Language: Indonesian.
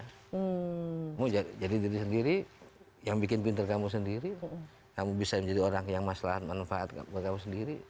kamu jadi diri sendiri yang bikin pinter kamu sendiri kok kamu bisa menjadi orang yang maslahan manfaat buat kamu sendiri